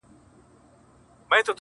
وږی تږی قاسم یار یې له سترخانه ولاړېږم